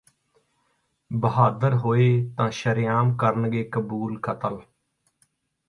ਬਹਾਦਰ ਹੋਏ ਤਾਂ ਸ਼ਰੇਆਮ ਕਰਨਗੇ ਕਬੂਲ ਕਤਲ